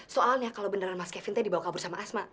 soalnya kalau beneran mas kevin tadi dibawa kabur sama asma